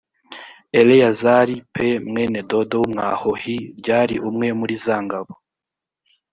eleyazari p mwene dodo w umwahohi r yari umwe muri za ngabo